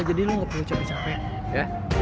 jadi lo gak perlu capek capek